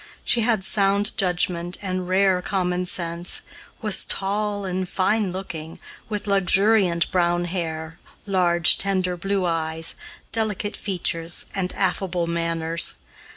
She had sound judgment and rare common sense, was tall and fine looking, with luxuriant brown hair, large tender blue eyes, delicate features, and affable manners.